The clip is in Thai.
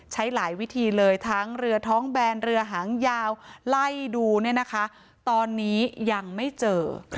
ใช้หลายวิธีเลยทั้งเรือท้องแบนเรือหางยาวไล่ดูตอนนี้ยังไม่เจอ